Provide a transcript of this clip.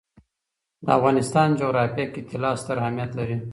د افغانستان جغرافیه کې طلا ستر اهمیت لري.